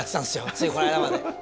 ついこの間まで。